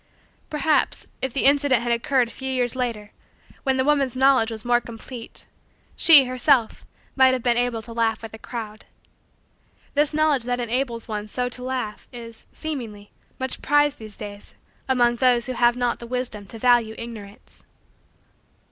Perhaps, if the incident had occurred a few years later, when the woman's knowledge was more complete, she, herself, might have been able to laugh with the crowd. This knowledge that enables one so to laugh is, seemingly, much prized these days among those who have not the wisdom to value Ignorance.